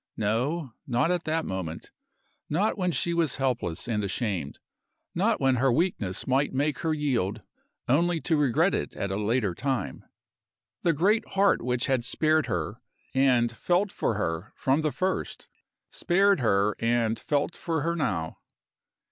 No, not at that moment; not when she was helpless and ashamed; not when her weakness might make her yield, only to regret it at a later time. The great heart which had spared her and felt for her from the first spared her and felt for her now.